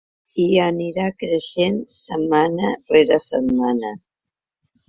I anirà creixent setmana rere setmana.